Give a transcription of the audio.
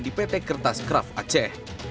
di pt kertas craft aceh